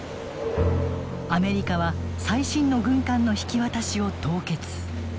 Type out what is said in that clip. アメリカは最新の軍艦の引き渡しを凍結。